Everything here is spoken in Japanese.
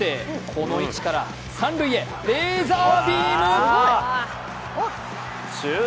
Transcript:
この位置から三塁へレーザービーム！